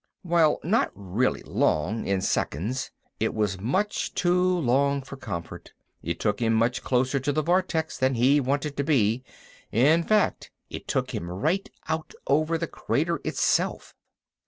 While not really long—in seconds—it was much too long for comfort. It took him much closer to the vortex than he wanted to be; in fact, it took him right out over the crater itself.